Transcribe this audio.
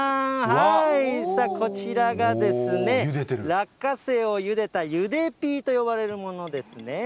はーい、さあこちらがですね、落花生をゆでたゆでピーと呼ばれるものですね。